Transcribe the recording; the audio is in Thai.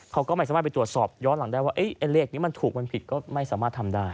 เขาก็ไม่สามารถไปตรวจสอบย้อนหลังได้ว่าไอ้เลขนี้มันถูกมันผิดก็ไม่สามารถทำได้